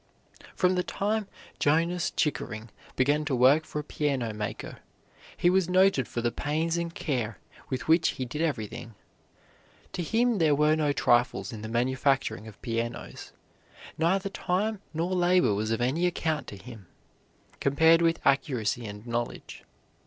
From the time Jonas Chickering began to work for a piano maker, he was noted for the pains and care with which he did everything. To him there were no trifles in the manufacturing of pianos. Neither time nor labor was of any account to him, compared with accuracy and knowledge.